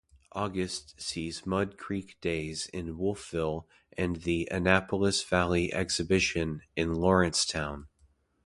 August sees Mud Creek Days in Wolfville and the Annapolis Valley Exhibition in Lawrencetown.